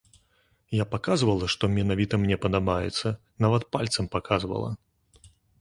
Я паказвала, што менавіта мне падабаецца, нават пальцам паказвала.